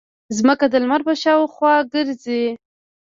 ځمکه د لمر په شاوخوا ګرځي.